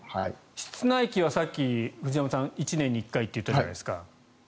室内機はさっき藤山さん１年に１回って言ったじゃないですか。